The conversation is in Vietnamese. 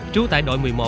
chú tại đội một mươi một